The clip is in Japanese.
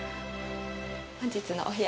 本日のお部屋